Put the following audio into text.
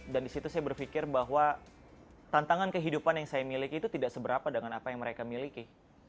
dan disitu saya berpikir bahwa tantangan kehidupan yang saya miliki itu tidak seberapa dengan apa yang mereka miliki